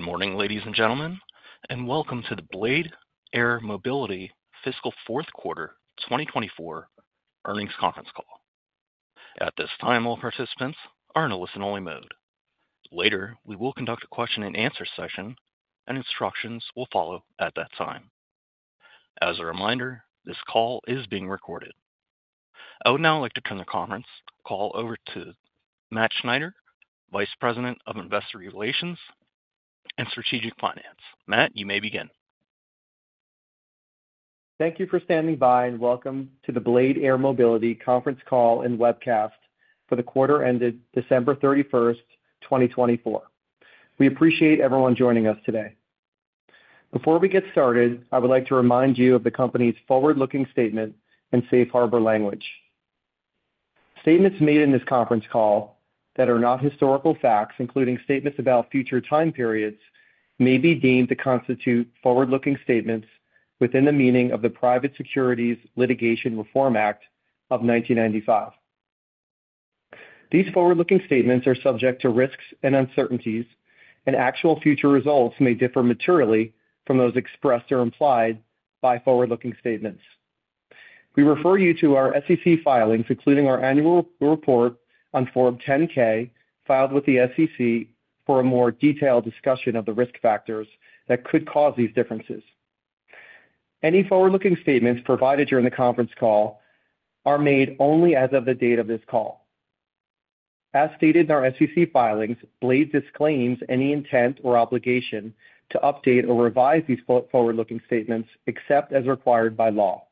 Good morning, ladies and gentlemen, and welcome to the Blade Air Mobility Fiscal Fourth Quarter 2024 Earnings Conference Call. At this time, all participants are in a listen-only mode. Later, we will conduct a question-and-answer session, and instructions will follow at that time. As a reminder, this call is being recorded. I would now like to turn the conference call over to Matt Schneider, Vice President of Investor Relations and Strategic Finance. Matt, you may begin. Thank you for standing by, and welcome to the Blade Air Mobility Conference Call and Webcast for the quarter ended December 31, 2024. We appreciate everyone joining us today. Before we get started, I would like to remind you of the company's forward-looking statement in safe harbor language. Statements made in this conference call that are not historical facts, including statements about future time periods, may be deemed to constitute forward-looking statements within the meaning of the Private Securities Litigation Reform Act of 1995. These forward-looking statements are subject to risks and uncertainties, and actual future results may differ materially from those expressed or implied by forward-looking statements. We refer you to our SEC filings, including our annual report on Form 10-K filed with the SEC for a more detailed discussion of the risk factors that could cause these differences. Any forward-looking statements provided during the conference call are made only as of the date of this call. As stated in our SEC filings, Blade disclaims any intent or obligation to update or revise these forward-looking statements except as required by law.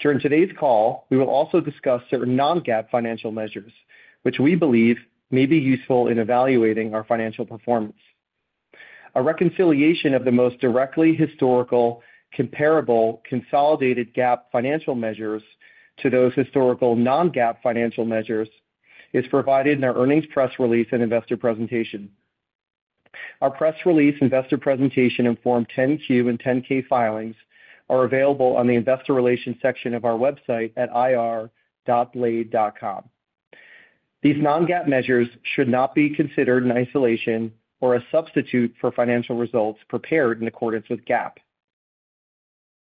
During today's call, we will also discuss certain non-GAAP financial measures, which we believe may be useful in evaluating our financial performance. A reconciliation of the most directly historical comparable consolidated GAAP financial measures to those historical non-GAAP financial measures is provided in our earnings press release and investor presentation. Our press release, investor presentation, and Form 10-Q and 10-K filings are available on the investor relations section of our website at ir.blade.com. These non-GAAP measures should not be considered in isolation or a substitute for financial results prepared in accordance with GAAP.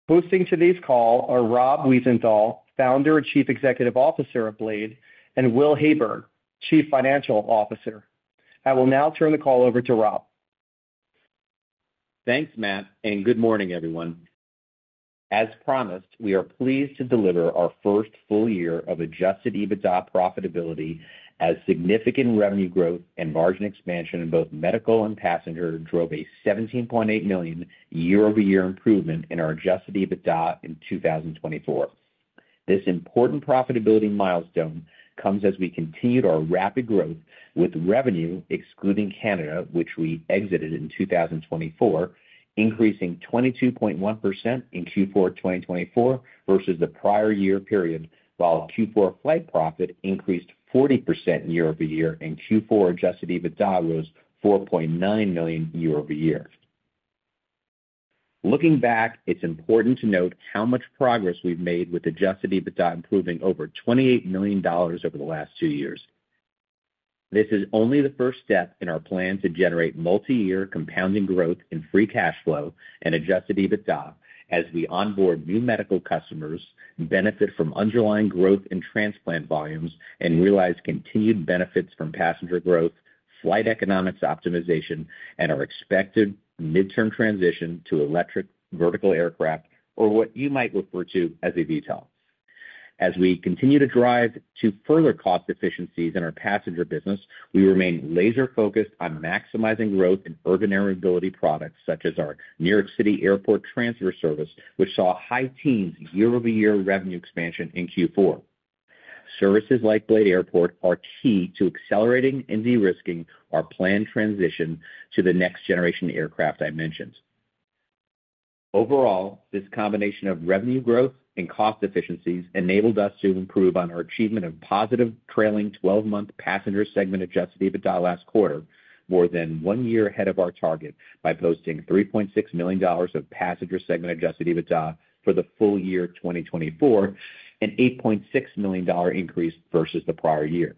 Hosting today's call are Rob Wiesenthal, Founder and Chief Executive Officer of Blade, and Will Heyburn, Chief Financial Officer. I will now turn the call over to Rob. Thanks, Matt, and good morning, everyone. As promised, we are pleased to deliver our first full year of Adjusted EBITDA profitability as significant revenue growth and margin expansion in both medical and passenger drove a $17.8 million year-over-year improvement in our Adjusted EBITDA in 2024. This important profitability milestone comes as we continued our rapid growth with revenue excluding Canada, which we exited in 2024, increasing 22.1% in Q4 2024 versus the prior year period, while Q4 flight profit increased 40% year-over-year and Q4 Adjusted EBITDA rose $4.9 million year-over-year. Looking back, it's important to note how much progress we've made with Adjusted EBITDA improving over $28 million over the last two years. This is only the first step in our plan to generate multi-year compounding growth in free cash flow and Adjusted EBITDA as we onboard new medical customers, benefit from underlying growth in transplant volumes, and realize continued benefits from passenger growth, flight economics optimization, and our expected midterm transition to electric vertical aircraft, or what you might refer to as a VTOL. As we continue to drive to further cost efficiencies in our passenger business, we remain laser-focused on maximizing growth in urban air mobility products such as our New York City Airport Transfer Service, which saw high teens year-over-year revenue expansion in Q4. Services like Blade Airport are key to accelerating and de-risking our planned transition to the next-generation aircraft I mentioned. Overall, this combination of revenue growth and cost efficiencies enabled us to improve on our achievement of positive trailing 12-month passenger segment Adjusted EBITDA last quarter, more than one year ahead of our target by posting $3.6 million of passenger segment Adjusted EBITDA for the full year 2024, an $8.6 million increase versus the prior year.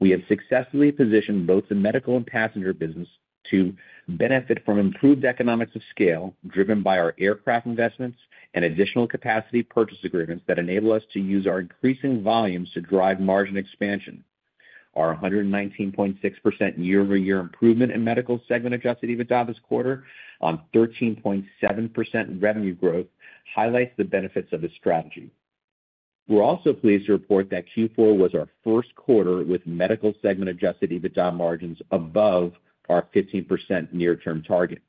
We have successfully positioned both the medical and passenger business to benefit from improved economics of scale driven by our aircraft investments and additional capacity purchase agreements that enable us to use our increasing volumes to drive margin expansion. Our 119.6% year-over-year improvement in medical segment Adjusted EBITDA this quarter on 13.7% revenue growth highlights the benefits of this strategy. We're also pleased to report that Q4 was our first quarter with medical segment Adjusted EBITDA margins above our 15% near-term target.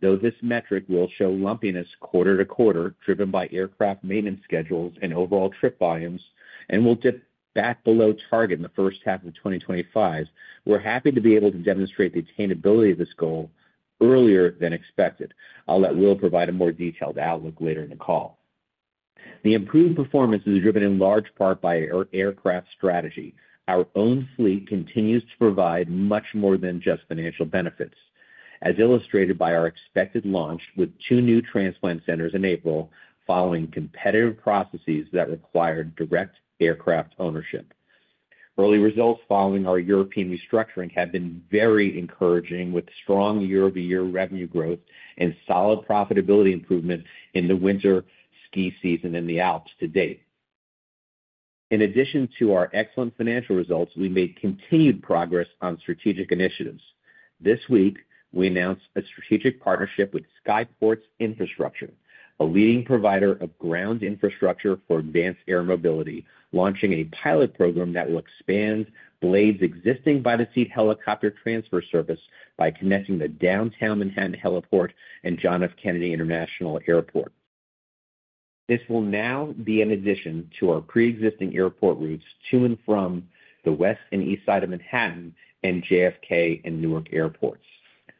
Though this metric will show lumpiness quarter to quarter driven by aircraft maintenance schedules and overall trip volumes and will dip back below target in the first half of 2025, we're happy to be able to demonstrate the attainability of this goal earlier than expected, although Will provide a more detailed outlook later in the call. The improved performance is driven in large part by our aircraft strategy. Our own fleet continues to provide much more than just financial benefits, as illustrated by our expected launch with two new transplant centers in April following competitive processes that required direct aircraft ownership. Early results following our European restructuring have been very encouraging with strong year-over-year revenue growth and solid profitability improvement in the winter ski season in the Alps to date. In addition to our excellent financial results, we made continued progress on strategic initiatives. This week, we announced a strategic partnership with Skyports Infrastructure, a leading provider of ground infrastructure for advanced air mobility, launching a pilot program that will expand Blade's existing by-the-seat helicopter transfer service by connecting the Downtown Manhattan Heliport and John F. Kennedy International Airport. This will now be in addition to our pre-existing airport routes to and from the west and East Side of Manhattan and JFK and Newark airports.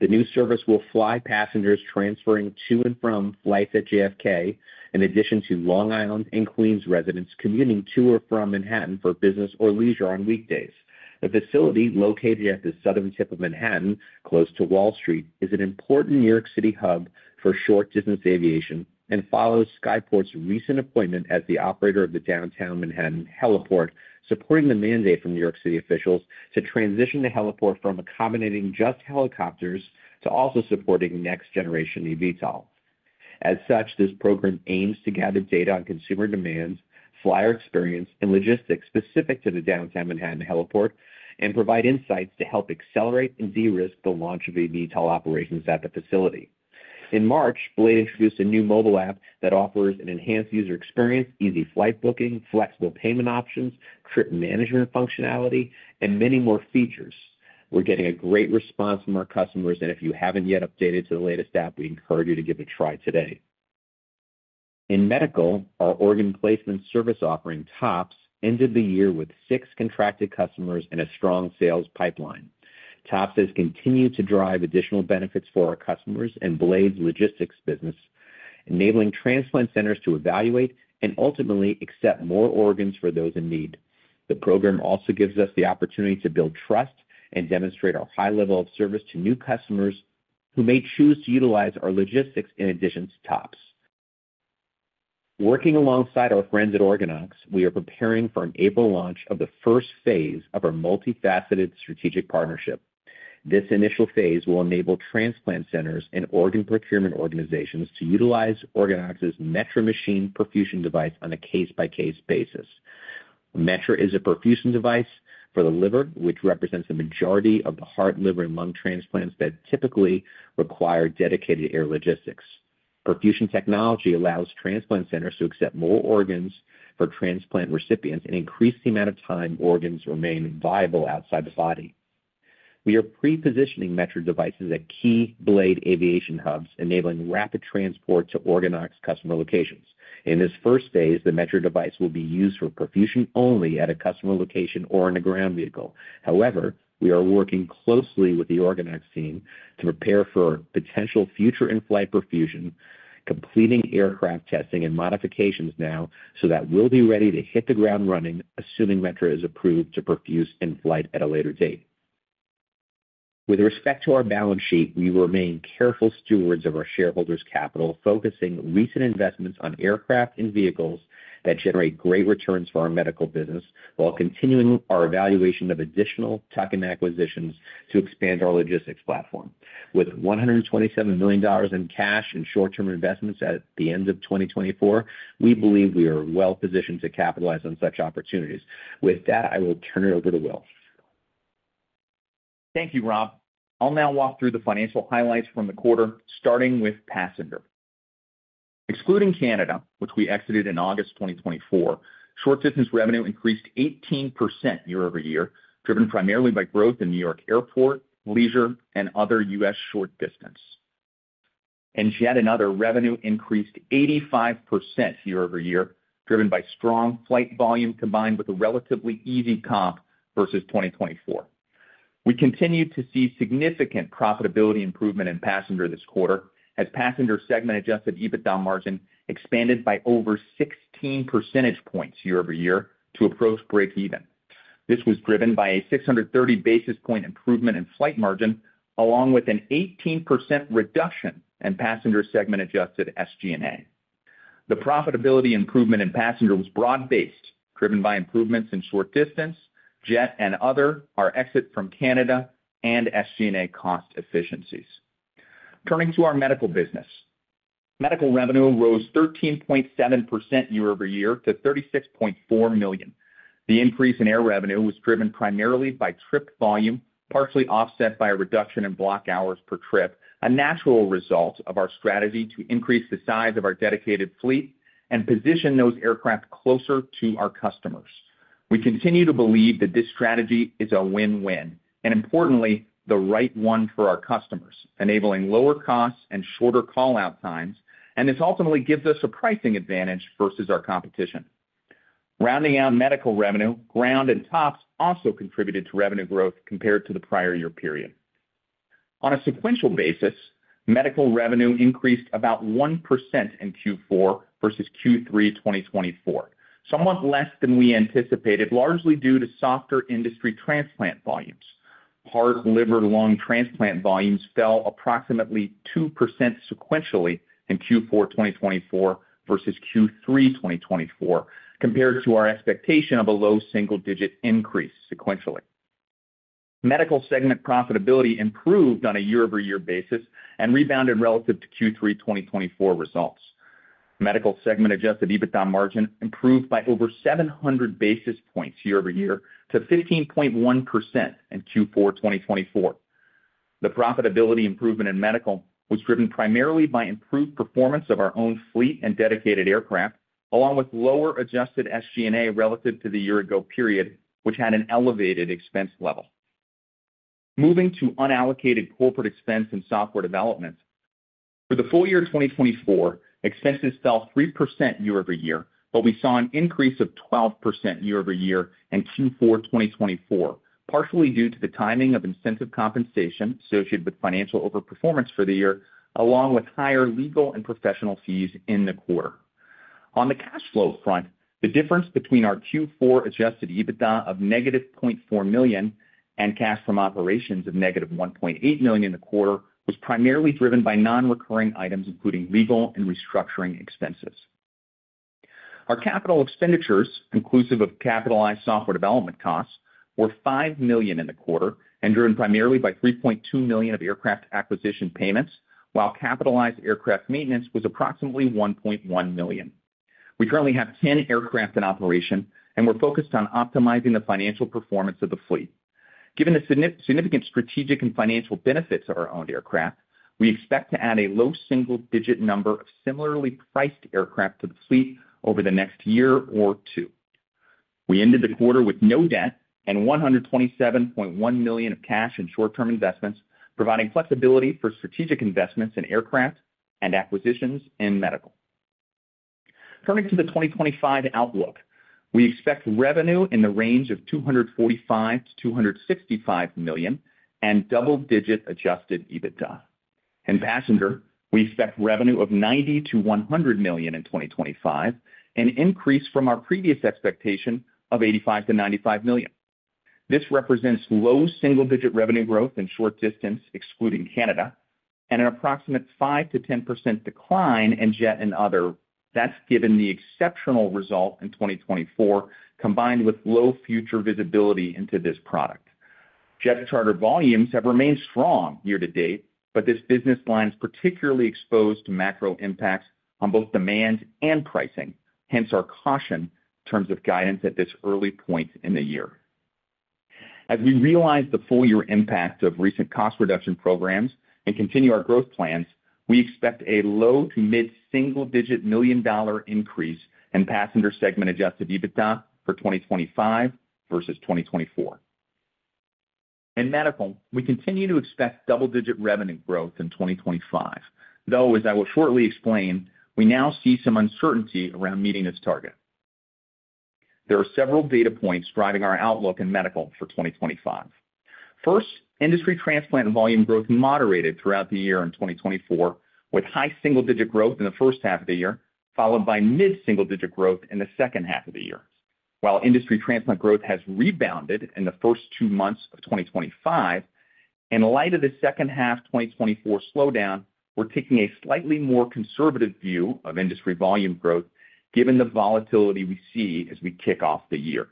The new service will fly passengers transferring to and from flights at JFK, in addition to Long Island and Queens residents commuting to or from Manhattan for business or leisure on weekdays. The facility, located at the southern tip of Manhattan close to Wall Street, is an important New York City hub for short-distance aviation and follows Skyports' recent appointment as the operator of the Downtown Manhattan Heliport, supporting the mandate from New York City officials to transition the heliport from accommodating just helicopters to also supporting next-generation eVTOL. As such, this program aims to gather data on consumer demands, flyer experience, and logistics specific to the Downtown Manhattan Heliport and provide insights to help accelerate and de-risk the launch of eVTOL operations at the facility. In March, Blade Air Mobility introduced a new mobile app that offers an enhanced user experience, easy flight booking, flexible payment options, trip management functionality, and many more features. We're getting a great response from our customers, and if you haven't yet updated to the latest app, we encourage you to give it a try today. In medical, our organ placement service offering, TOPS, ended the year with six contracted customers and a strong sales pipeline. TOPS has continued to drive additional benefits for our customers and Blade logistics business, enabling transplant centers to evaluate and ultimately accept more organs for those in need. The program also gives us the opportunity to build trust and demonstrate our high level of service to new customers who may choose to utilize our logistics in addition to TOPS. Working alongside our friends at OrganOx, we are preparing for an April launch of the first phase of our multifaceted strategic partnership. This initial phase will enable transplant centers and organ procurement organizations to utilize OrganOx's Metro machine perfusion device on a case-by-case basis. Metro is a perfusion device for the liver, which represents the majority of the heart, liver, and lung transplants that typically require dedicated air logistics. Perfusion technology allows transplant centers to accept more organs for transplant recipients and increase the amount of time organs remain viable outside the body. We are pre-positioning Metro devices at key Blade aviation hubs, enabling rapid transport to OrganOx customer locations. In this first phase, the Metro device will be used for perfusion only at a customer location or in a ground vehicle. However, we are working closely with the OrganOx team to prepare for potential future in-flight perfusion, completing aircraft testing and modifications now so that we'll be ready to hit the ground running, assuming Metro is approved to perfuse in-flight at a later date. With respect to our balance sheet, we remain careful stewards of our shareholders' capital, focusing recent investments on aircraft and vehicles that generate great returns for our medical business while continuing our evaluation of additional tuck-in acquisitions to expand our logistics platform. With $127 million in cash and short-term investments at the end of 2024, we believe we are well-positioned to capitalize on such opportunities. With that, I will turn it over to Will. Thank you, Rob. I'll now walk through the financial highlights from the quarter, starting with passenger. Excluding Canada, which we exited in August 2024, short-distance revenue increased 18% year-over-year, driven primarily by growth in New York Airport, leisure, and other U.S. short distance. Jet and Other, revenue increased 85% year-over-year, driven by strong flight volume combined with a relatively easy comp versus 2024. We continue to see significant profitability improvement in passenger this quarter as passenger segment Adjusted EBITDA margin expanded by over 16 percentage points year-over-year to approach break-even. This was driven by a 630 basis point improvement in flight margin, along with an 18% reduction in passenger segment adjusted SG&A. The profitability improvement in passenger was broad-based, driven by improvements in short distance, jet, and other, our exit from Canada and SG&A cost efficiencies. Turning to our medical business, medical revenue rose 13.7% year-over-year to $36.4 million. The increase in air revenue was driven primarily by trip volume, partially offset by a reduction in block hours per trip, a natural result of our strategy to increase the size of our dedicated fleet and position those aircraft closer to our customers. We continue to believe that this strategy is a win-win and, importantly, the right one for our customers, enabling lower costs and shorter callout times, and this ultimately gives us a pricing advantage versus our competition. Rounding out medical revenue, ground and TOPS also contributed to revenue growth compared to the prior year period. On a sequential basis, medical revenue increased about 1% in Q4 versus Q3 2024, somewhat less than we anticipated, largely due to softer industry transplant volumes. Heart, liver, lung transplant volumes fell approximately 2% sequentially in Q4 2024 versus Q3 2024, compared to our expectation of a low single-digit increase sequentially. Medical segment profitability improved on a year-over-year basis and rebounded relative to Q3 2024 results. Medical segment Adjusted EBITDA margin improved by over 700 basis points year-over-year to 15.1% in Q4 2024. The profitability improvement in medical was driven primarily by improved performance of our own fleet and dedicated aircraft, along with lower adjusted SG&A relative to the year-ago period, which had an elevated expense level. Moving to unallocated corporate expense and software development, for the full year 2024, expenses fell 3% year-over-year, but we saw an increase of 12% year-over-year in Q4 2024, partially due to the timing of incentive compensation associated with financial overperformance for the year, along with higher legal and professional fees in the quarter. On the cash flow front, the difference between our Q4 Adjusted EBITDA of negative $0.4 million and cash from operations of negative $1.8 million in the quarter was primarily driven by non-recurring items, including legal and restructuring expenses. Our capital expenditures, inclusive of capitalized software development costs, were $5 million in the quarter and driven primarily by $3.2 million of aircraft acquisition payments, while capitalized aircraft maintenance was approximately $1.1 million. We currently have 10 aircraft in operation, and we're focused on optimizing the financial performance of the fleet. Given the significant strategic and financial benefits of our owned aircraft, we expect to add a low single-digit number of similarly priced aircraft to the fleet over the next year or two. We ended the quarter with no debt and $127.1 million of cash and short-term investments, providing flexibility for strategic investments in aircraft and acquisitions in medical. Turning to the 2025 outlook, we expect revenue in the range of $245 million-$265 million and double-digit Adjusted EBITDA. In passenger, we expect revenue of $90 million-$100 million in 2025, an increase from our previous expectation of $85 million-$95 million. This represents low single-digit revenue growth in short distance, excluding Canada, and an approximate 5%-10% decline in jet and other. That's given the exceptional result in 2024, combined with low future visibility into this product. Jet charter volumes have remained strong year-to-date, but this business line is particularly exposed to macro impacts on both demand and pricing, hence our caution in terms of guidance at this early point in the year. As we realize the full-year impact of recent cost reduction programs and continue our growth plans, we expect a low to mid single-digit million-dollar increase in passenger segment Adjusted EBITDA for 2025 versus 2024. In medical, we continue to expect double-digit revenue growth in 2025, though, as I will shortly explain, we now see some uncertainty around meeting this target. There are several data points driving our outlook in medical for 2025. First, industry transplant volume growth moderated throughout the year in 2024, with high single-digit growth in the first half of the year, followed by mid single-digit growth in the second half of the year. While industry transplant growth has rebounded in the first two months of 2025, in light of the second half 2024 slowdown, we're taking a slightly more conservative view of industry volume growth, given the volatility we see as we kick off the year.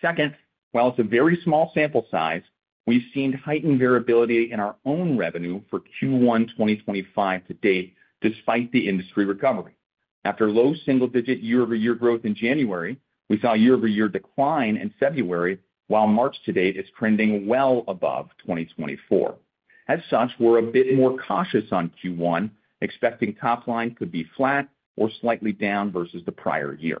Second, while it's a very small sample size, we've seen heightened variability in our own revenue for Q1 2025 to date, despite the industry recovery. After low single-digit year-over-year growth in January, we saw year-over-year decline in February, while March to date is trending well above 2024. As such, we're a bit more cautious on Q1, expecting top line could be flat or slightly down versus the prior year.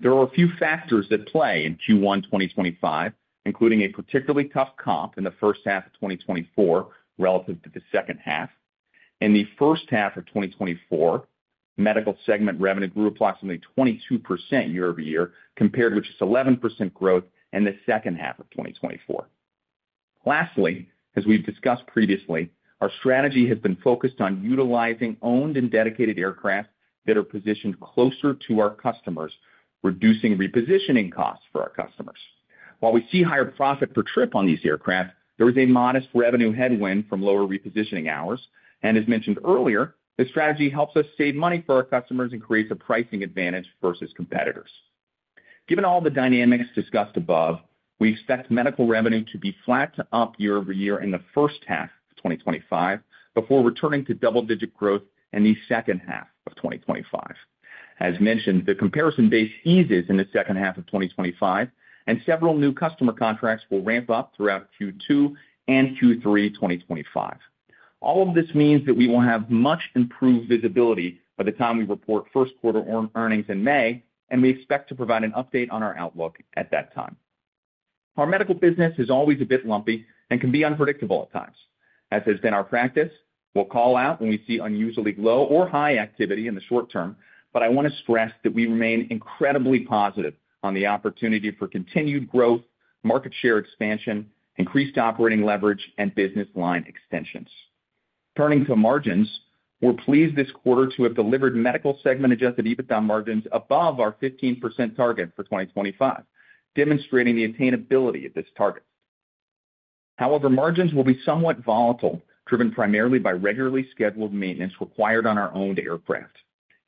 There are a few factors at play in Q1 2025, including a particularly tough comp in the first half of 2024 relative to the second half. In the first half of 2024, medical segment revenue grew approximately 22% year-over-year, compared with just 11% growth in the second half of 2024. Lastly, as we've discussed previously, our strategy has been focused on utilizing owned and dedicated aircraft that are positioned closer to our customers, reducing repositioning costs for our customers. While we see higher profit per trip on these aircraft, there is a modest revenue headwind from lower repositioning hours, and as mentioned earlier, this strategy helps us save money for our customers and creates a pricing advantage versus competitors. Given all the dynamics discussed above, we expect medical revenue to be flat to up year-over-year in the first half of 2025 before returning to double-digit growth in the second half of 2025. As mentioned, the comparison base eases in the second half of 2025, and several new customer contracts will ramp up throughout Q2 and Q3 2025. All of this means that we will have much improved visibility by the time we report first quarter earnings in May, and we expect to provide an update on our outlook at that time. Our medical business is always a bit lumpy and can be unpredictable at times. As has been our practice, we'll call out when we see unusually low or high activity in the short term, but I want to stress that we remain incredibly positive on the opportunity for continued growth, market share expansion, increased operating leverage, and business line extensions. Turning to margins, we're pleased this quarter to have delivered medical segment Adjusted EBITDA margins above our 15% target for 2025, demonstrating the attainability of this target. However, margins will be somewhat volatile, driven primarily by regularly scheduled maintenance required on our owned aircraft.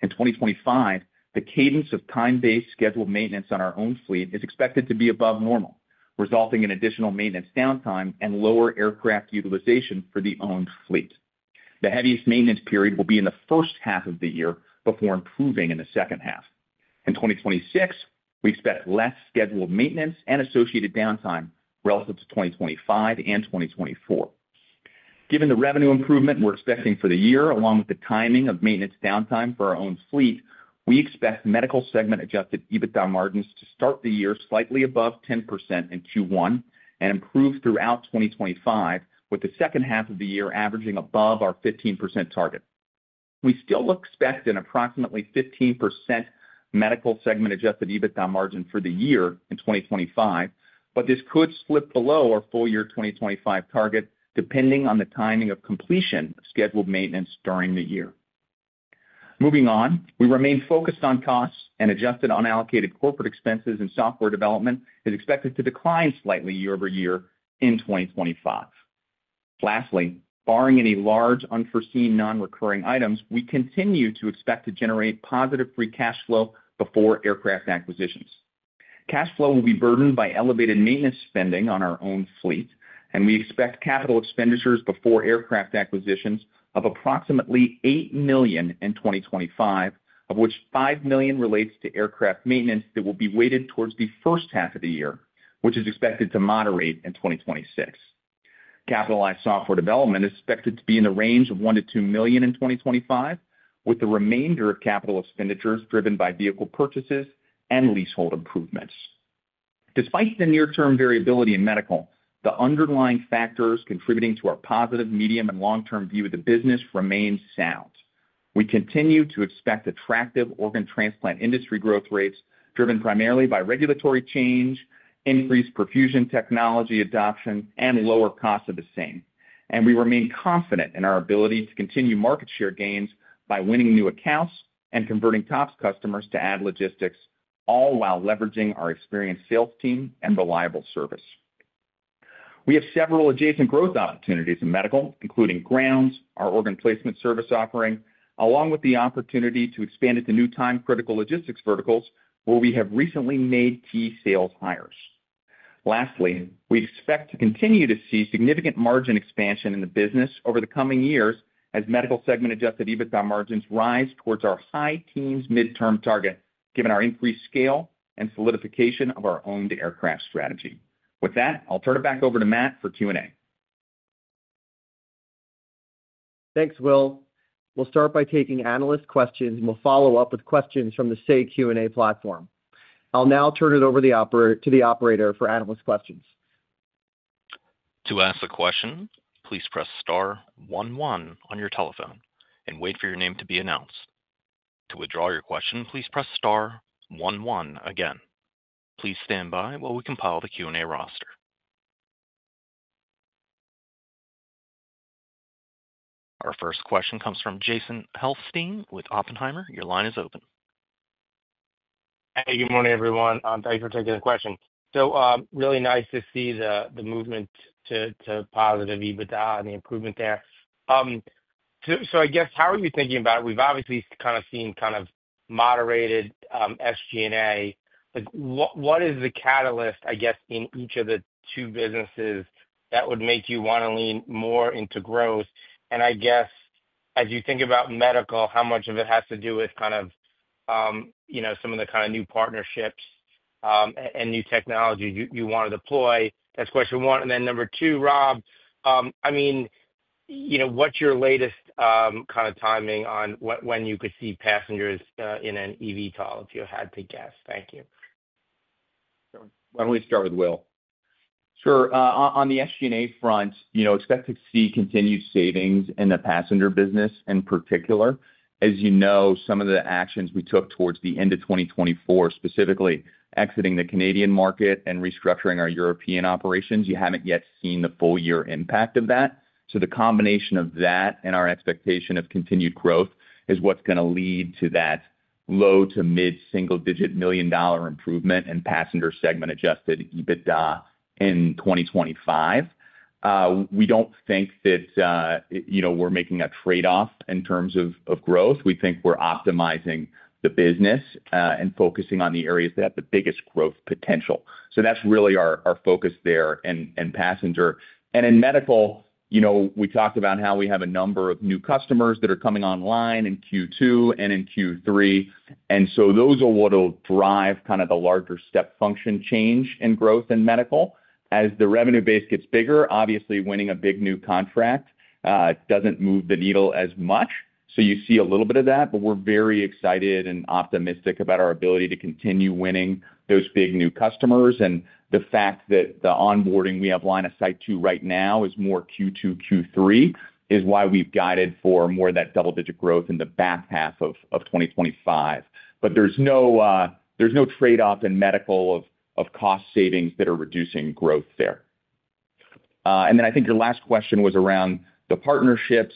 In 2025, the cadence of time-based scheduled maintenance on our owned fleet is expected to be above normal, resulting in additional maintenance downtime and lower aircraft utilization for the owned fleet. The heaviest maintenance period will be in the first half of the year before improving in the second half. In 2026, we expect less scheduled maintenance and associated downtime relative to 2025 and 2024. Given the revenue improvement we're expecting for the year, along with the timing of maintenance downtime for our owned fleet, we expect medical segment Adjusted EBITDA margins to start the year slightly above 10% in Q1 and improve throughout 2025, with the second half of the year averaging above our 15% target. We still expect an approximately 15% medical segment Adjusted EBITDA margin for the year in 2025, but this could slip below our full year 2025 target, depending on the timing of completion of scheduled maintenance during the year. Moving on, we remain focused on costs and adjusted unallocated corporate expenses and software development is expected to decline slightly year-over-year in 2025. Lastly, barring any large unforeseen non-recurring items, we continue to expect to generate positive free cash flow before aircraft acquisitions. Cash flow will be burdened by elevated maintenance spending on our owned fleet, and we expect capital expenditures before aircraft acquisitions of approximately $8 million in 2025, of which $5 million relates to aircraft maintenance that will be weighted towards the first half of the year, which is expected to moderate in 2026. Capitalized software development is expected to be in the range of $1-$2 million in 2025, with the remainder of capital expenditures driven by vehicle purchases and leasehold improvements. Despite the near-term variability in medical, the underlying factors contributing to our positive medium and long-term view of the business remain sound. We continue to expect attractive organ transplant industry growth rates, driven primarily by regulatory change, increased perfusion technology adoption, and lower costs of the same, and we remain confident in our ability to continue market share gains by winning new accounts and converting TOPS customers to add logistics, all while leveraging our experienced sales team and reliable service. We have several adjacent growth opportunities in medical, including ground, our organ placement service offering, along with the opportunity to expand into new time-critical logistics verticals, where we have recently made key sales hires. Lastly, we expect to continue to see significant margin expansion in the business over the coming years as medical segment Adjusted EBITDA margins rise towards our high teens midterm target, given our increased scale and solidification of our owned aircraft strategy. With that, I'll turn it back over to Matt for Q&A. Thanks, Will. We'll start by taking analyst questions, and we'll follow up with questions from the Say Q&A platform. I'll now turn it over to the operator for analyst questions. To ask a question, please press star one one on your telephone and wait for your name to be announced. To withdraw your question, please press star one one again. Please stand by while we compile the Q&A roster. Our first question comes from Jason Helfstein with Oppenheimer. Your line is open. Hey, good morning, everyone. Thanks for taking the question. Really nice to see the movement to positive EBITDA and the improvement there. I guess, how are you thinking about it? We've obviously kind of seen kind of moderated SG&A. What is the catalyst, I guess, in each of the two businesses that would make you want to lean more into growth? I guess, as you think about medical, how much of it has to do with kind of some of the kind of new partnerships and new technology you want to deploy? That's question one. Number two, I mean, what's your latest kind of timing on when you could see passengers in an eVTOL, if you had to guess? Thank you. Why don't we start with Will? Sure. On the SG&A front, expect to see continued savings in the passenger business in particular. As you know, some of the actions we took towards the end of 2024, specifically exiting the Canadian market and restructuring our European operations, you haven't yet seen the full-year impact of that. The combination of that and our expectation of continued growth is what's going to lead to that low to mid single-digit million-dollar improvement in passenger segment Adjusted EBITDA in 2025. We don't think that we're making a trade-off in terms of growth. We think we're optimizing the business and focusing on the areas that have the biggest growth potential. That's really our focus there in passenger. In medical, we talked about how we have a number of new customers that are coming online in Q2 and in Q3. Those are what will drive kind of the larger step function change in growth in medical. As the revenue base gets bigger, obviously winning a big new contract doesn't move the needle as much. You see a little bit of that, but we're very excited and optimistic about our ability to continue winning those big new customers. The fact that the onboarding we have line of sight to right now is more Q2, Q3 is why we've guided for more of that double-digit growth in the back half of 2025. There is no trade-off in medical of cost savings that are reducing growth there. I think your last question was around the partnerships.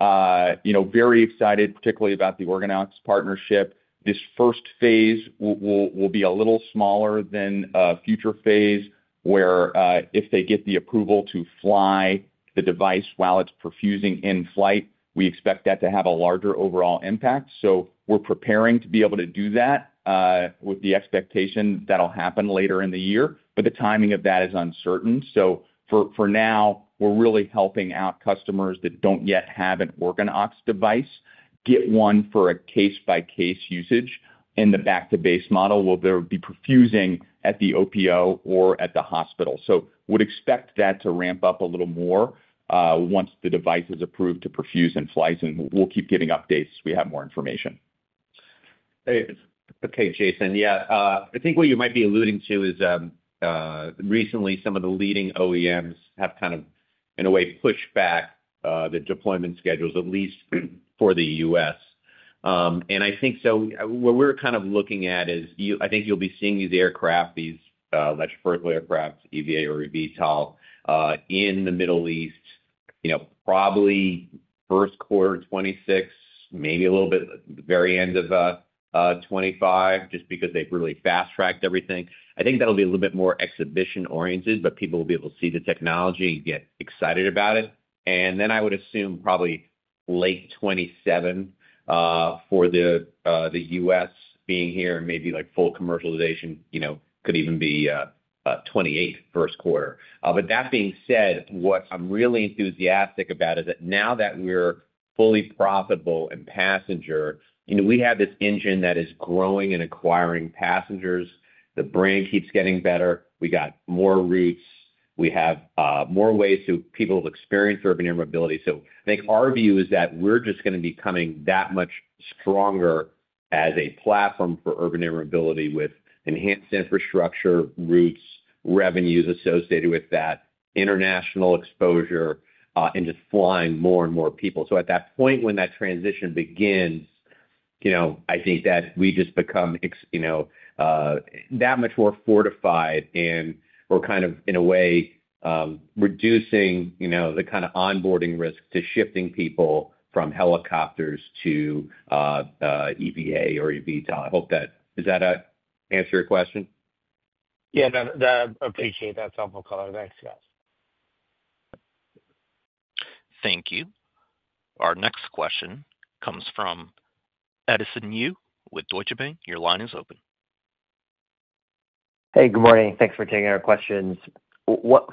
Very excited, particularly about the OrganOx partnership. This first phase will be a little smaller than a future phase where if they get the approval to fly the device while it's perfusing in flight, we expect that to have a larger overall impact. We are preparing to be able to do that with the expectation that'll happen later in the year, but the timing of that is uncertain. For now, we're really helping out customers that don't yet have an OrganOx device get one for a case-by-case usage in the back-to-base model where they'll be perfusing at the OPO or at the hospital. We'd expect that to ramp up a little more once the device is approved to perfuse and flies, and we'll keep giving updates as we have more information. Okay, Jason. I think what you might be alluding to is recently some of the leading OEMs have kind of, in a way, pushed back the deployment schedules, at least for the U.S. I think what we're kind of looking at is I think you'll be seeing these aircraft, these electric vertical aircraft, EVA or eVTOL, in the Middle East, probably first quarter 2026, maybe a little bit the very end of 2025, just because they've really fast-tracked everything. I think that'll be a little bit more exhibition-oriented, but people will be able to see the technology and get excited about it. I would assume probably late 2027 for the U.S. being here, maybe full commercialization could even be 2028 first quarter. That being said, what I'm really enthusiastic about is that now that we're fully profitable in passenger, we have this engine that is growing and acquiring passengers. The brand keeps getting better. We got more routes. We have more ways for people to have experienced urban air mobility. I think our view is that we're just going to be coming that much stronger as a platform for urban air mobility with enhanced infrastructure, routes, revenues associated with that, international exposure, and just flying more and more people. At that point when that transition begins, I think that we just become that much more fortified and we're kind of, in a way, reducing the kind of onboarding risk to shifting people from helicopters to EVA or eVTOL. I hope that does that answer your question? Yeah. I appreciate that. That's helpful, color. Thanks, guys. Thank you. Our next question comes from Edison Yu with Deutsche Bank. Your line is open. Hey, good morning. Thanks for taking our questions.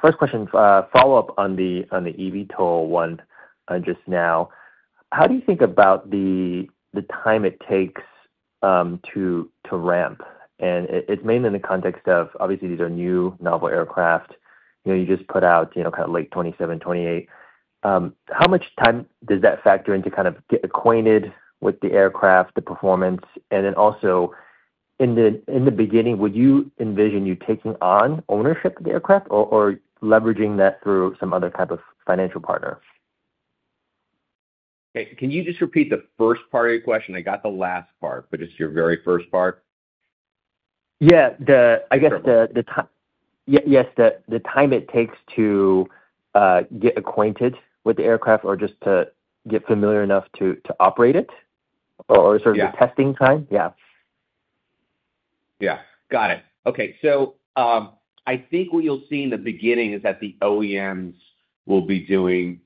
First question, follow-up on the eVTOL one just now. How do you think about the time it takes to ramp? And it's mainly in the context of, obviously, these are new, novel aircraft. You just put out kind of late 2027, 2028. How much time does that factor into kind of getting acquainted with the aircraft, the performance? In the beginning, would you envision you taking on ownership of the aircraft or leveraging that through some other type of financial partner? Okay. Can you just repeat the first part of your question? I got the last part, but just your very first part. Yeah. I guess the time. Yes, the time it takes to get acquainted with the aircraft or just to get familiar enough to operate it or sort of the testing time? Yeah. Yeah. Got it. Okay. I think what you'll see in the beginning is that the OEMs will be doing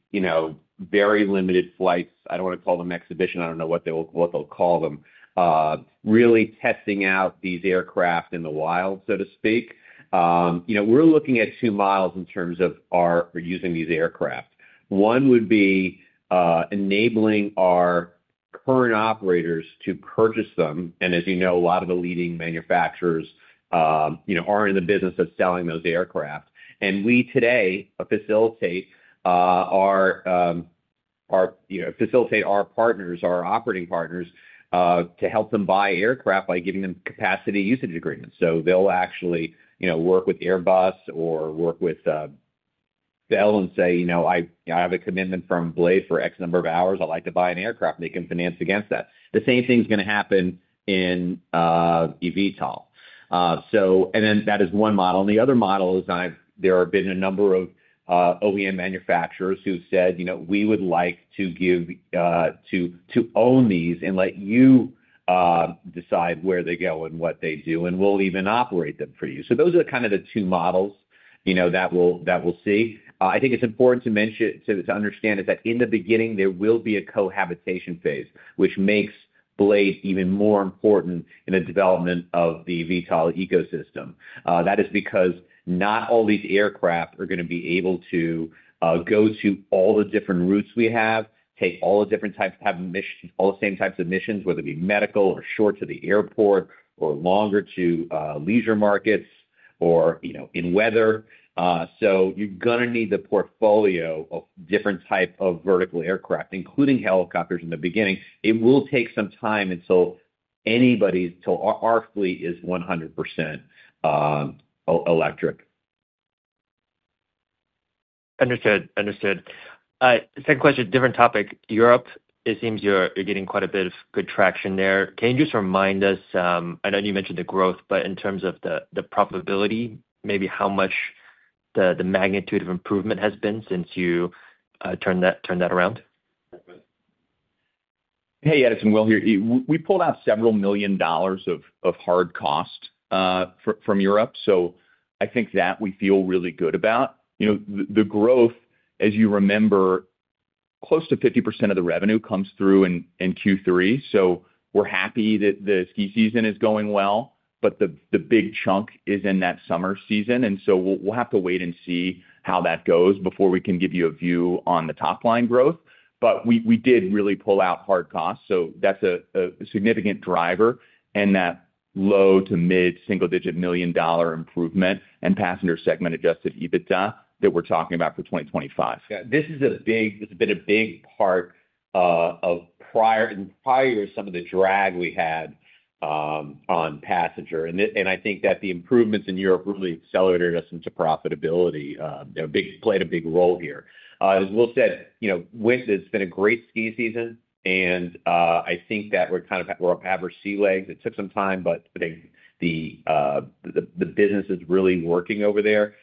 very limited flights. I do not want to call them exhibition. I do not know what they will call them. Really testing out these aircraft in the wild, so to speak. We are looking at two miles in terms of our using these aircraft. One would be enabling our current operators to purchase them. As you know, a lot of the leading manufacturers are in the business of selling those aircraft. We today facilitate our partners, our operating partners, to help them buy aircraft by giving them capacity usage agreements. They'll actually work with Airbus or work with Bell and say, "I have a commitment from Blade Air Mobility for X number of hours. I'd like to buy an aircraft." They can finance against that. The same thing is going to happen in eVTOL. That is one model. The other model is there have been a number of OEM manufacturers who said, "We would like to own these and let you decide where they go and what they do, and we'll even operate them for you." Those are kind of the two models that we'll see. I think it's important to understand is that in the beginning, there will be a cohabitation phase, which makes Blade even more important in the development of the eVTOL ecosystem. That is because not all these aircraft are going to be able to go to all the different routes we have, take all the different types of missions, all the same types of missions, whether it be medical or short to the airport or longer to leisure markets or in weather. You're going to need the portfolio of different types of vertical aircraft, including helicopters in the beginning. It will take some time until our fleet is 100% electric. Understood. Understood. Second question, different topic. Europe, it seems you're getting quite a bit of good traction there. Can you just remind us? I know you mentioned the growth, but in terms of the profitability, maybe how much the magnitude of improvement has been since you turned that around? Hey, Edison Will here. We pulled out several million dollars of hard cost from Europe. I think that we feel really good about the growth, as you remember, close to 50% of the revenue comes through in Q3. We are happy that the ski season is going well, but the big chunk is in that summer season. We will have to wait and see how that goes before we can give you a view on the top-line growth. We did really pull out hard costs. That is a significant driver in that low to mid single-digit million-dollar improvement and passenger segment Adjusted EBITDA that we are talking about for 2025. This has been a big part of prior to some of the drag we had on passenger. I think that the improvements in Europe really accelerated us into profitability. They played a big role here. As Will said, winter has been a great ski season, and I think that we're kind of we're up to our sea legs. It took some time, but I think the business is really working over there.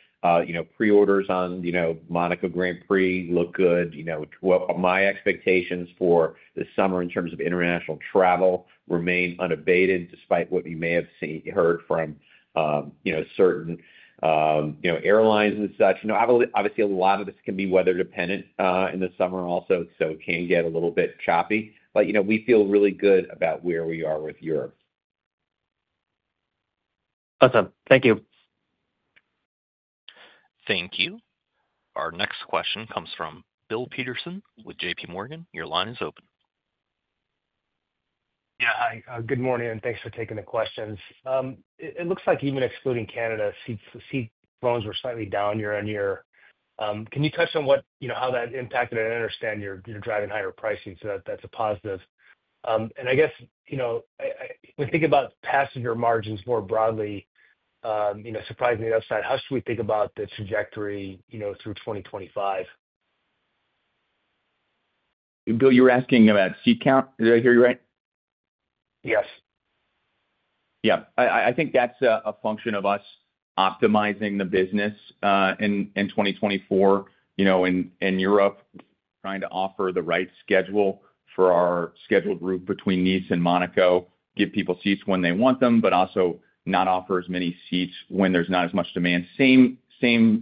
Pre-orders on Monaco Grand Prix look good. My expectations for the summer in terms of international travel remain unabated despite what you may have heard from certain airlines and such. Obviously, a lot of this can be weather-dependent in the summer also, so it can get a little bit choppy. We feel really good about where we are with Europe. Awesome. Thank you. Thank you. Our next question comes from Bill Peterson with JPMorgan. Your line is open. Yeah. Hi. Good morning. And thanks for taking the questions. It looks like even excluding Canada, seat counts were slightly down year on year. Can you touch on how that impacted? I understand you're driving higher pricing, so that's a positive. I guess when thinking about passenger margins more broadly, surprisingly upside, how should we think about the trajectory through 2025? Bill, you're asking about seat count. Did I hear you right? Yes. Yeah. I think that's a function of us optimizing the business in 2024 in Europe, trying to offer the right schedule for our scheduled route between Nice and Monaco, give people seats when they want them, but also not offer as many seats when there's not as much demand. Same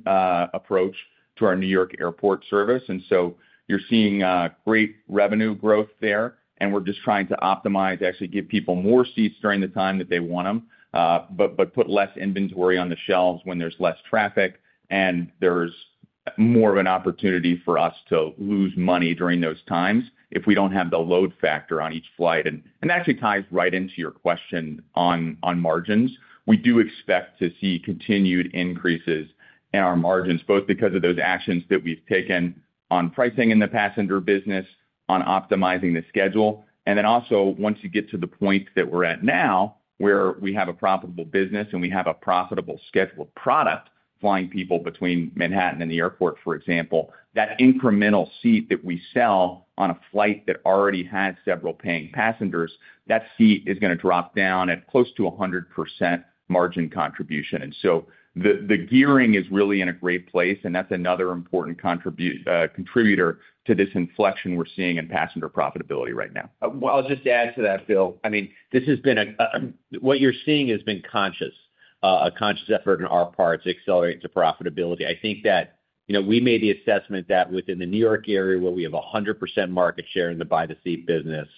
approach to our New York airport service. You are seeing great revenue growth there. We are just trying to optimize, actually give people more seats during the time that they want them, but put less inventory on the shelves when there is less traffic, and there is more of an opportunity for us to lose money during those times if we do not have the load factor on each flight. That actually ties right into your question on margins. We do expect to see continued increases in our margins, both because of those actions that we have taken on pricing in the passenger business, on optimizing the schedule. Once you get to the point that we're at now where we have a profitable business and we have a profitable scheduled product flying people between Manhattan and the Airport, for example, that incremental seat that we sell on a flight that already has several paying passengers, that seat is going to drop down at close to 100% margin contribution. The gearing is really in a great place, and that's another important contributor to this inflection we're seeing in passenger profitability right now. I'll just add to that, Bill. This has been a conscious effort on our part to accelerate to profitability. I think that we made the assessment that within the New York area where we have 100% market share in the buy-the-seat business,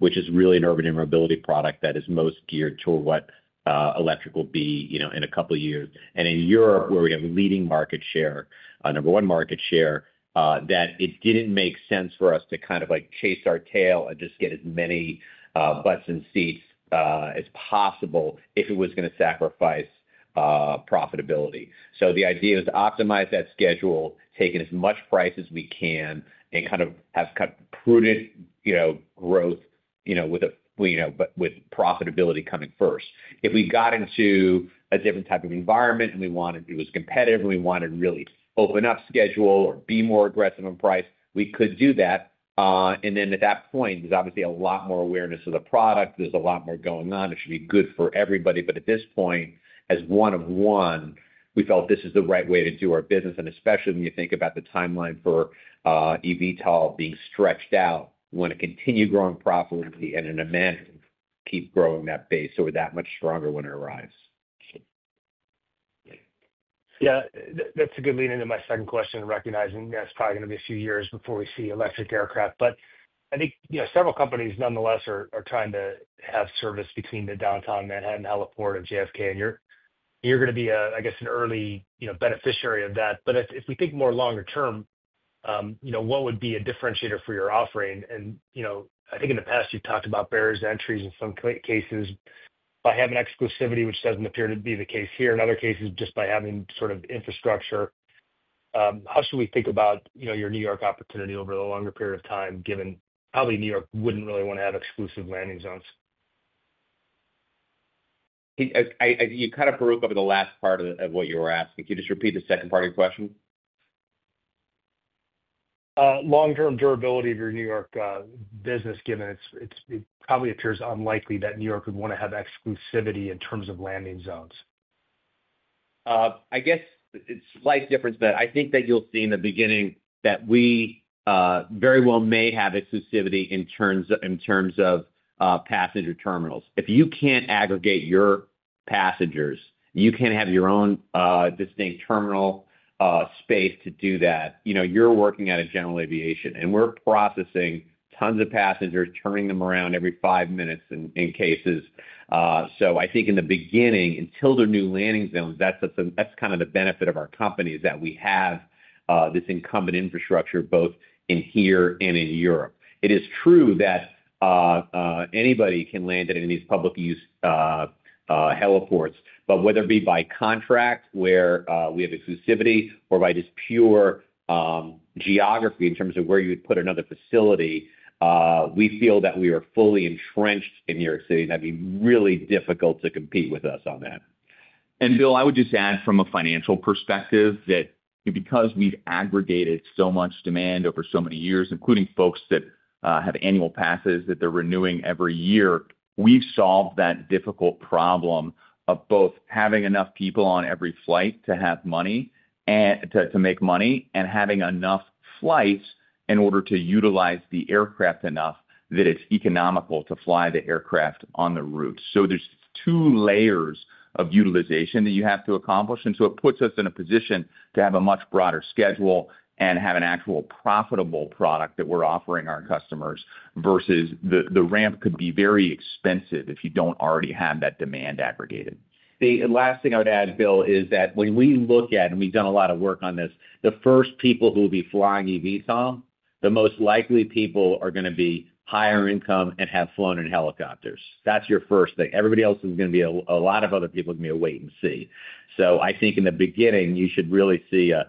which is really an urban air mobility product that is most geared toward what electric will be in a couple of years. In Europe, where we have a leading market share, number one market share, that it did not make sense for us to kind of chase our tail and just get as many butts in seats as possible if it was going to sacrifice profitability. The idea is to optimize that schedule, take in as much price as we can, and kind of have prudent growth with profitability coming first. If we got into a different type of environment and we wanted it was competitive and we wanted to really open up schedule or be more aggressive on price, we could do that. At that point, there's obviously a lot more awareness of the product. There's a lot more going on. It should be good for everybody. At this point, as one of one, we felt this is the right way to do our business. Especially when you think about the timeline for eVTOL being stretched out, we want to continue growing profitability and in management keep growing that base so we're that much stronger when it arrives. Yeah. That's a good lead-in to my second question, recognizing that's probably going to be a few years before we see electric aircraft. I think several companies nonetheless are trying to have service between the Downtown Manhattan Heliport and JFK. You're going to be, I guess, an early beneficiary of that. If we think more longer term, what would be a differentiator for your offering? I think in the past, you've talked about barriers to entry in some cases by having exclusivity, which doesn't appear to be the case here. In other cases, just by having sort of infrastructure. How should we think about your New York opportunity over the longer period of time, given probably New York wouldn't really want to have exclusive landing zones? You kind of broke up at the last part of what you were asking. Can you just repeat the second part of your question? Long-term durability of your New York business, given it probably appears unlikely that New York would want to have exclusivity in terms of landing zones. I guess it's a slight difference, but I think that you'll see in the beginning that we very well may have exclusivity in terms of passenger terminals. If you can't aggregate your passengers, you can't have your own distinct terminal space to do that. You're working at a general aviation, and we're processing tons of passengers, turning them around every five minutes in cases. I think in the beginning, until the new landing zones, that's kind of the benefit of our company is that we have this incumbent infrastructure both in here and in Europe. It is true that anybody can land at any of these public-use heliports, but whether it be by contract where we have exclusivity or by just pure geography in terms of where you would put another facility, we feel that we are fully entrenched in New York City, and that'd be really difficult to compete with us on that. Bill, I would just add from a financial perspective that because we've aggregated so much demand over so many years, including folks that have annual passes that they're renewing every year, we've solved that difficult problem of both having enough people on every flight to have money to make money and having enough flights in order to utilize the aircraft enough that it's economical to fly the aircraft on the route. There are two layers of utilization that you have to accomplish. It puts us in a position to have a much broader schedule and have an actual profitable product that we're offering our customers versus the ramp could be very expensive if you don't already have that demand aggregated. The last thing I would add, Bill, is that when we look at, and we've done a lot of work on this, the first people who will be flying eVTOL, the most likely people are going to be higher income and have flown in helicopters. That's your first thing. Everybody else is going to be a lot of other people are going to be a wait and see. I think in the beginning, you should really see a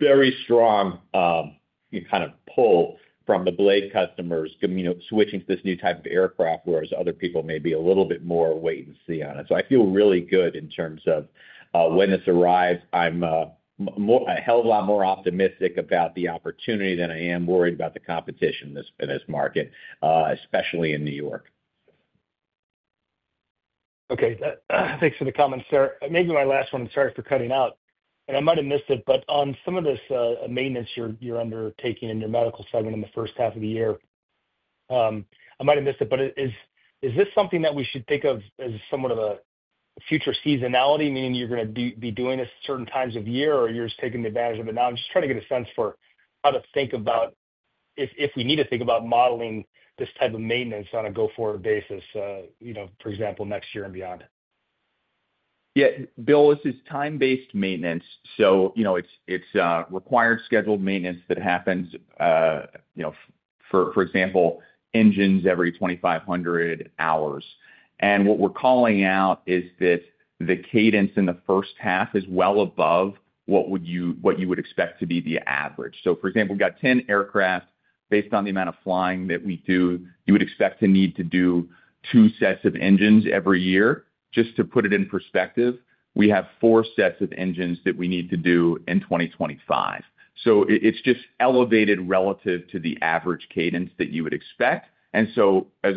very strong kind of pull from the Blade customers switching to this new type of aircraft, whereas other people may be a little bit more wait and see on it. I feel really good in terms of when this arrives. I'm a hell of a lot more optimistic about the opportunity than I am worried about the competition in this market, especially in New York. Okay. Thanks for the comments, sir. Maybe my last one. Sorry for cutting out. I might have missed it, but on some of this maintenance you're undertaking in your medical segment in the first half of the year, I might have missed it, but is this something that we should think of as somewhat of a future seasonality, meaning you're going to be doing this at certain times of year or you're just taking advantage of it now? I'm just trying to get a sense for how to think about if we need to think about modeling this type of maintenance on a go-forward basis, for example, next year and beyond. Yeah. Bill, this is time-based maintenance. It is required scheduled maintenance that happens, for example, engines every 2,500 hours. What we're calling out is that the cadence in the first half is well above what you would expect to be the average. For example, we've got 10 aircraft. Based on the amount of flying that we do, you would expect to need to do two sets of engines every year. Just to put it in perspective, we have four sets of engines that we need to do in 2025. It is just elevated relative to the average cadence that you would expect. As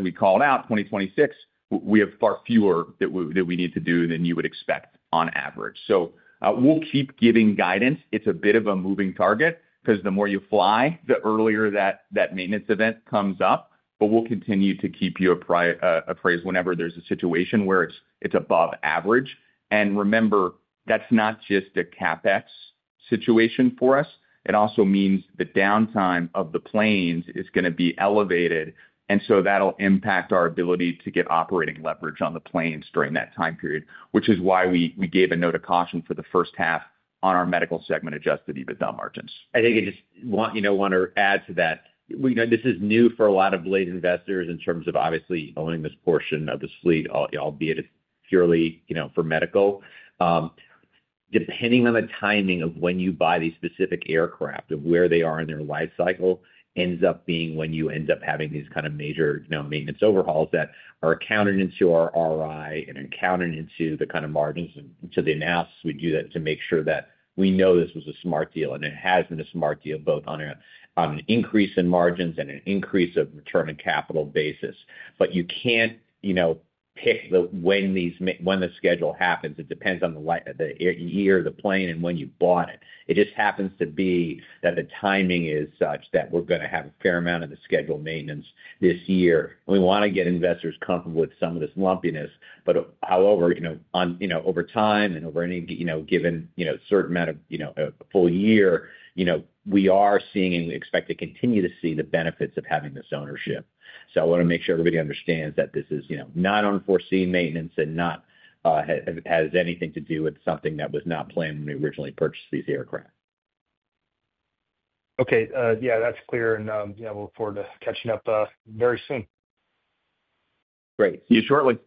we call it out, 2026, we have far fewer that we need to do than you would expect on average. We will keep giving guidance. It is a bit of a moving target because the more you fly, the earlier that maintenance event comes up. We will continue to keep you appraised whenever there is a situation where it is above average. Remember, that's not just a CapEx situation for us. It also means the downtime of the planes is going to be elevated. That will impact our ability to get operating leverage on the planes during that time period, which is why we gave a note of caution for the first half on our medical segment Adjusted EBITDA margins. I think I just want to add to that. This is new for a lot of Blade investors in terms of obviously owning this portion of the fleet, albeit purely for medical. Depending on the timing of when you buy these specific aircraft and where they are in their life cycle ends up being when you end up having these kind of major maintenance overhauls that are accounted into our ROI and accounted into the kind of margins. The analysis we do that to make sure that we know this was a smart deal. It has been a smart deal both on an increase in margins and an increase of return on capital basis. You can't pick when the schedule happens. It depends on the year, the plane, and when you bought it. It just happens to be that the timing is such that we're going to have a fair amount of the scheduled maintenance this year. We want to get investors comfortable with some of this lumpiness. However, over time and over any given certain amount of full year, we are seeing and we expect to continue to see the benefits of having this ownership. I want to make sure everybody understands that this is not unforeseen maintenance and has anything to do with something that was not planned when we originally purchased these aircraft. Okay. Yeah. That's clear. We'll look forward to catching up very soon. Great. You shortly.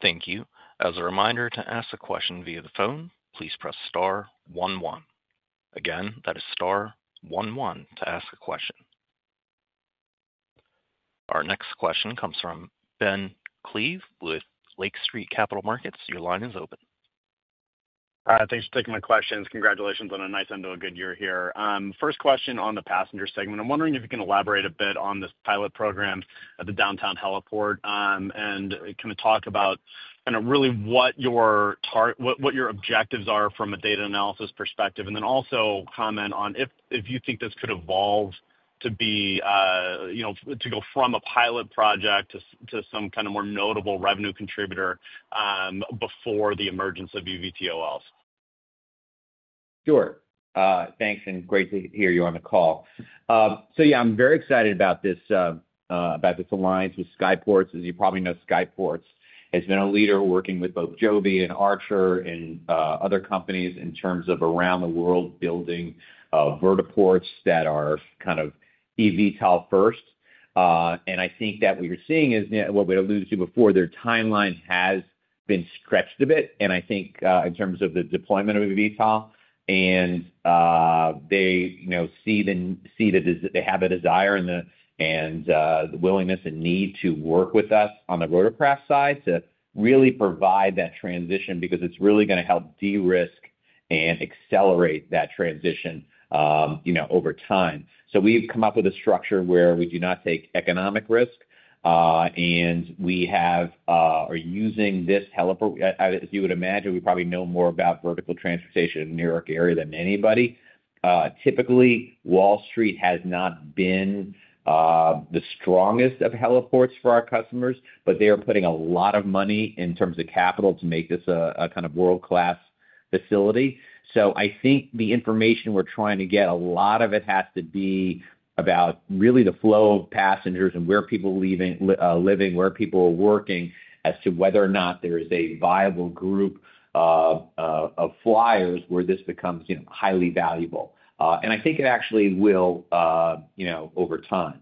Thank you. As a reminder, to ask a question via the phone, please press star one one. Again, that is star one one to ask a question. Our next question comes from Ben Klieve with Lake Street Capital Markets. Your line is open. Thanks for taking my questions. Congratulations on a nice end to a good year here. First question on the passenger segment. I'm wondering if you can elaborate a bit on this pilot program at the downtown heliport and kind of talk about kind of really what your objectives are from a data analysis perspective. Then also comment on if you think this could evolve to go from a pilot project to some kind of more notable revenue contributor before the emergence of eVTOLs. Sure. Thanks. Great to hear you on the call. Yeah, I'm very excited about this alliance with Skyports. As you probably know, Skyports has been a leader working with both Joby and Archer and other companies in terms of around the world building vertiports that are kind of eVTOL first. I think that what you're seeing is what we alluded to before, their timeline has been stretched a bit. I think in terms of the deployment of eVTOL, they see that they have a desire and the willingness and need to work with us on the rotorcraft side to really provide that transition because it's really going to help de-risk and accelerate that transition over time. We have come up with a structure where we do not take economic risk. We are using this heliport. As you would imagine, we probably know more about vertical transportation in the New York area than anybody. Typically, Wall Street has not been the strongest of heliports for our customers, but they are putting a lot of money in terms of capital to make this a kind of world-class facility. I think the information we're trying to get, a lot of it has to be about really the flow of passengers and where people are living, where people are working, as to whether or not there is a viable group of flyers where this becomes highly valuable. I think it actually will over time.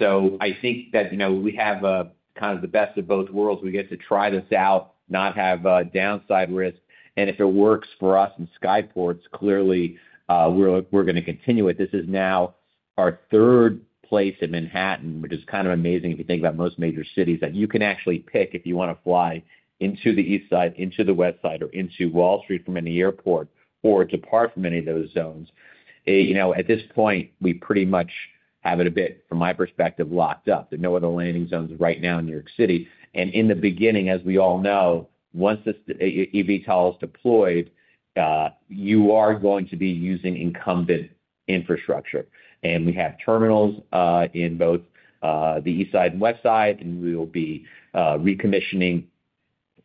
I think that we have kind of the best of both worlds. We get to try this out, not have downside risk. If it works for us in Skyports, clearly, we're going to continue it. This is now our third place in Manhattan, which is kind of amazing if you think about most major cities that you can actually pick if you want to fly into the East Side, into the West Side, or into Wall Street from any airport or depart from any of those zones. At this point, we pretty much have it a bit, from my perspective, locked up. There are no other landing zones right now in New York City. In the beginning, as we all know, once eVTOL is deployed, you are going to be using incumbent infrastructure. We have terminals in both the East Side and West Side. We will be recommissioning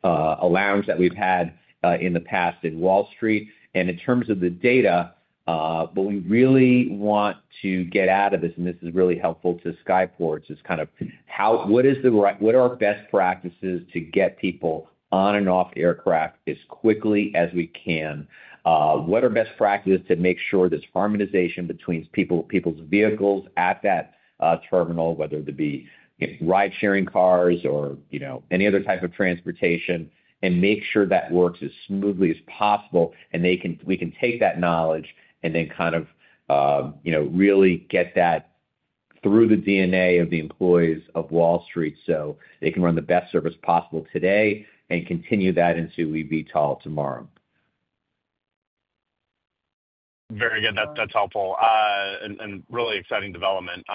a lounge that we've had in the past in Wall Street. In terms of the data, what we really want to get out of this, and this is really helpful to Skyports, is kind of what are our best practices to get people on and off aircraft as quickly as we can? What are best practices to make sure there's harmonization between people's vehicles at that terminal, whether it be ride-sharing cars or any other type of transportation, and make sure that works as smoothly as possible? We can take that knowledge and then kind of really get that through the DNA of the employees of Wall Street so they can run the best service possible today and continue that into eVTOL tomorrow. Very good. That's helpful. Really exciting development.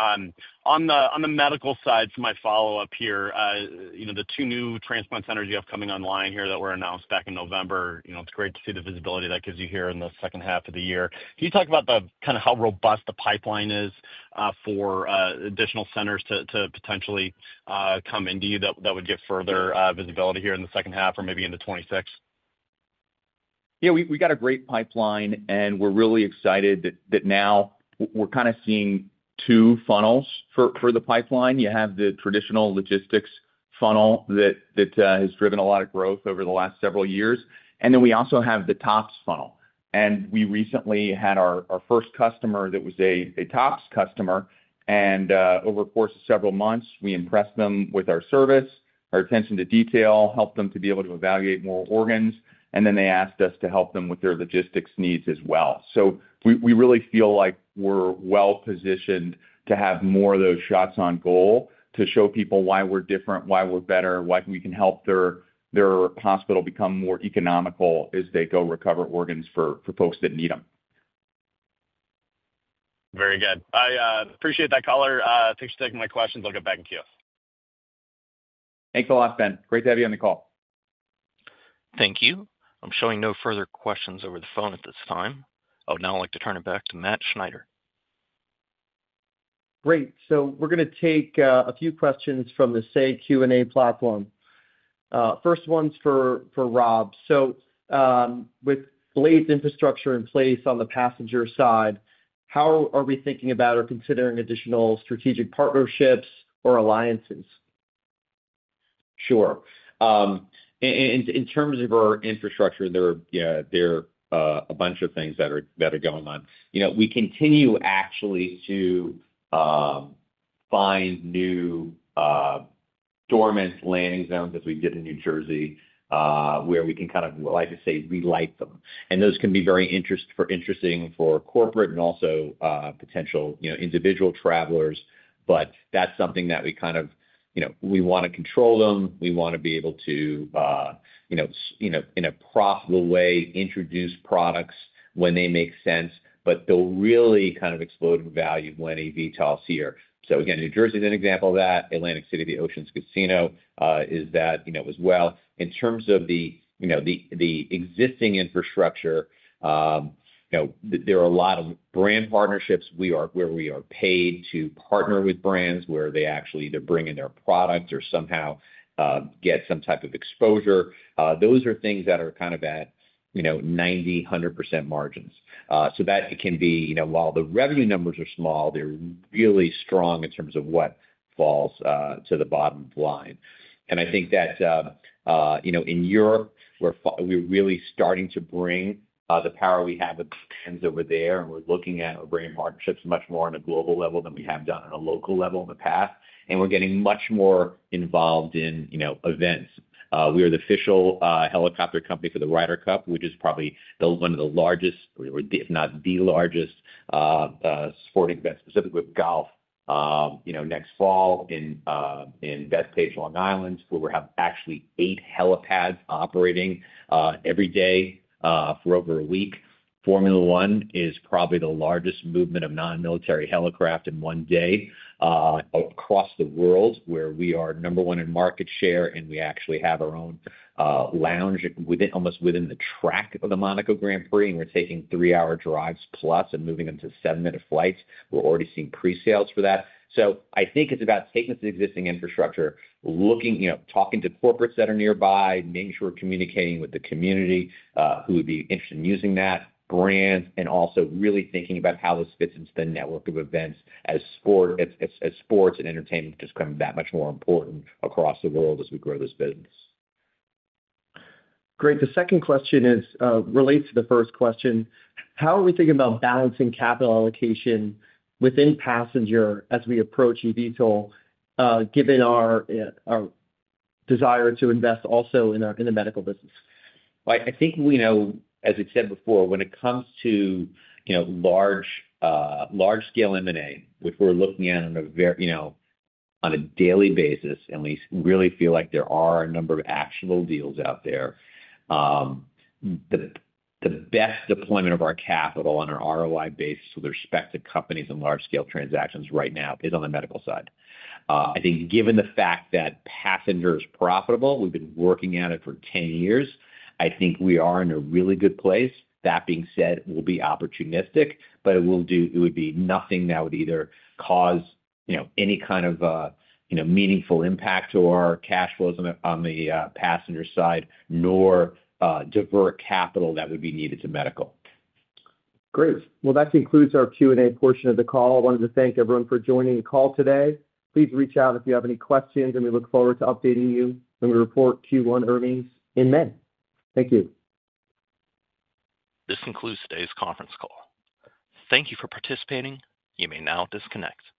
On the medical side, for my follow-up here, the two new transplant centers you have coming online here that were announced back in November, it's great to see the visibility that gives you here in the second half of the year. Can you talk about kind of how robust the pipeline is for additional centers to potentially come into you that would give further visibility here in the second half or maybe into 2026? Yeah. We've got a great pipeline, and we're really excited that now we're kind of seeing two funnels for the pipeline. You have the traditional logistics funnel that has driven a lot of growth over the last several years. You also have the TOPS funnel. We recently had our first customer that was a TOPS customer. Over the course of several months, we impressed them with our service, our attention to detail, helped them to be able to evaluate more organs. They asked us to help them with their logistics needs as well. We really feel like we're well-positioned to have more of those shots on goal to show people why we're different, why we're better, why we can help their hospital become more economical as they go recover organs for folks that need them. Very good. I appreciate that, color. Thanks for taking my questions. I'll get back in queue. Thanks a lot, Ben. Great to have you on the call. Thank you. I'm showing no further questions over the phone at this time. Now I'd like to turn it back to Matt Schneider. Great. We're going to take a few questions from the Say Q&A platform. First one's for Rob. With Blade's Infrastructure in place on the passenger side, how are we thinking about or considering additional strategic partnerships or alliances? Sure. In terms of our infrastructure, there are a bunch of things that are going on. We continue actually to find new dormant landing zones, as we did in New Jersey, where we can kind of, like I say, relight them. Those can be very interesting for corporate and also potential individual travelers. That is something that we want to control. We want to be able to, in a profitable way, introduce products when they make sense, but they will really kind of explode in value when eVTOL is here. New Jersey is an example of that. Atlantic City, the Ocean Casino, is that as well. In terms of the existing infrastructure, there are a lot of brand partnerships where we are paid to partner with brands where they actually either bring in their products or somehow get some type of exposure. Those are things that are kind of at 90%-100% margins. That it can be, while the revenue numbers are small, they're really strong in terms of what falls to the bottom of the line. I think that in Europe, we're really starting to bring the power we have with the fans over there. We're looking at bringing partnerships much more on a global level than we have done on a local level in the past. We're getting much more involved in events. We are the official helicopter company for the Ryder Cup, which is probably one of the largest, if not the largest sporting event specifically with golf next fall in Bethpage, Long Island, where we'll have actually eight helipads operating every day for over a week. Formula One is probably the largest movement of non-military helicraft in one day across the world, where we are number one in market share, and we actually have our own lounge almost within the track of the Monaco Grand Prix. We are taking three-hour drives plus and moving them to seven-minute flights. We are already seeing pre-sales for that. I think it is about taking the existing infrastructure, talking to corporates that are nearby, making sure we are communicating with the community who would be interested in using that, brands, and also really thinking about how this fits into the network of events as sports and entertainment just become that much more important across the world as we grow this business. Great. The second question relates to the first question. How are we thinking about balancing capital allocation within passenger as we approach eVTOL, given our desire to invest also in the medical business? I think, as we said before, when it comes to large-scale M&A, which we're looking at on a daily basis, and we really feel like there are a number of actionable deals out there, the best deployment of our capital on an ROI basis with respect to companies and large-scale transactions right now is on the medical side. I think given the fact that passenger is profitable, we've been working at it for 10 years, I think we are in a really good place. That being said, we'll be opportunistic, but it would be nothing that would either cause any kind of meaningful impact to our cash flows on the passenger side nor divert capital that would be needed to medical. Great. That concludes our Q&A portion of the call. I wanted to thank everyone for joining the call today. Please reach out if you have any questions, and we look forward to updating you when we report Q1 earnings in May. Thank you. This concludes today's conference call. Thank you for participating. You may now disconnect.